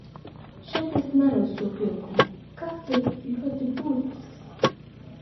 Šeit es neredzu šo pielikumu, kas ir ļoti būtisks.